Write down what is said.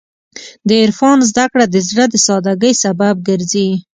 د عرفان زدهکړه د زړه د سادګۍ سبب ګرځي.